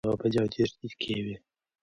په مبایل کې یوه بجه او دېرش دقیقې وې.